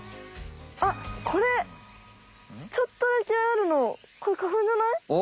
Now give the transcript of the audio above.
あっこれちょっとだけあるのこれ花ふんじゃない？